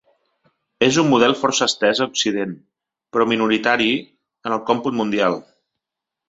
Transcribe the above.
És un model força estès a Occident, però minoritari en el còmput mundial.